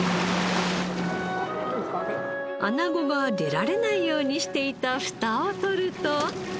アナゴが出られないようにしていたフタを取ると。